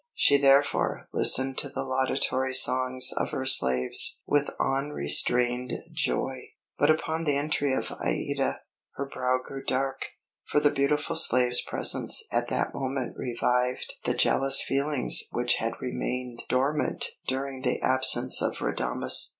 She therefore listened to the laudatory songs of her slaves with unrestrained joy; but upon the entry of Aïda, her brow grew dark, for the beautiful slave's presence at that moment revived the jealous feelings which had remained dormant during the absence of Radames.